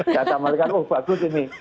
kata malaikat oh bagus ini